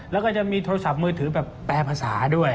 แล้วก็จะมีโทรศัพท์มือถือแบบแปลภาษาด้วย